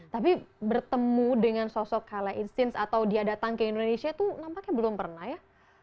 tapi bertemu dengan sosok kala instins atau dia datang ke indonesia itu nampaknya belum pernah ya